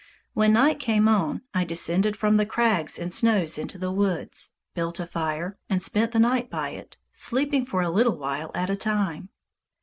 When night came on, I descended from the crags and snows into the woods, built a fire, and spent the night by it, sleeping for a little while at a time.